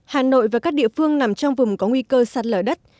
hà nội và các địa phương nằm trong vùng có nguy cơ sạt lở đất